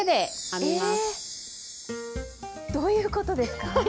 どういうことですか。